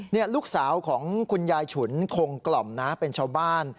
นี่ลูกสาวของคุณยายฉุนคงกล่อมนะเป็นชาวบ้าน